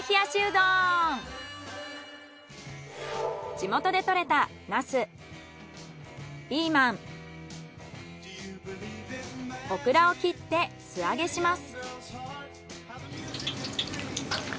地元で採れたナスピーマンオクラを切って素揚げします。